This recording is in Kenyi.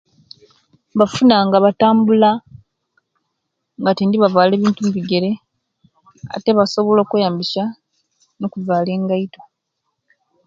Bafuna nga batambula nga tindi bavala be nti omubigere ate basobola nokweyambisya nokuvala engaito